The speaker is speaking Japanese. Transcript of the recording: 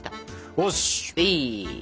よし！